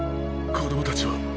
子供たちは？